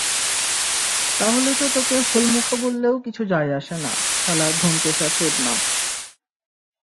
তাহলে তো তোকে হোলমুখো বললেও কিছু যায় আসে না, শালা ধোনচোষা চোদনা।